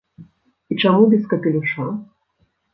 І чаму без капелюша?!